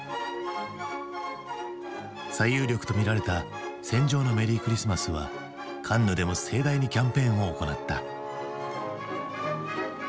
最有力とみられた「戦場のメリークリスマス」はカンヌでも盛大にキャンペーンを行った。